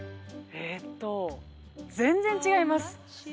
えっと、全然違います。